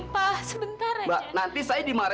bu sepertinya ada keributan di luar ya